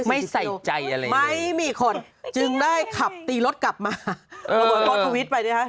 ไม่ใส่ใจอะไรเลยไม่มีคนจึงได้ขับตีรถกลับมาระเบิดเขาทวิตไปนะคะ